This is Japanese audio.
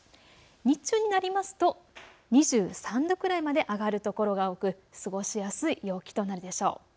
日中になりますと２３度くらいまで上がる所が多く過ごしやすい陽気となるでしょう。